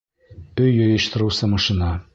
ӨЙ ЙЫЙЫШТЫРЫУСЫ МАШИНА